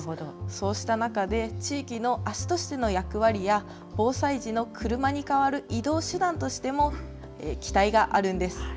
そうした中で、地域の足としての役割や、防災時の車に代わる移動手段としても期待があるんです。